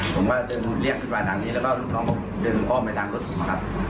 ผมก็เดินเรียกขึ้นมาทางนี้แล้วก็ลูกน้องผมดึงอ้อมไปทางรถผมนะครับ